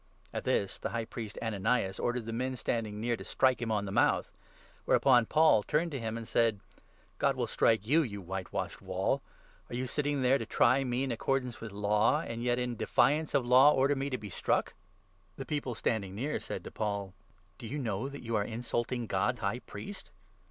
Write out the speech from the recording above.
At this, the High Priest Ananias ordered the men standing 2 near to strike him on the mouth ; whereupon Paul turned to 3 him and said :" God will strike you, you white washed wall ! Are you sitting there to try me in accordance with law, and yet, in defiance of law, order me to be struck ?" THE ACTS, 23. 259 The people standing near said to Paul : 4 " Do you know that you are insulting God's High Priest?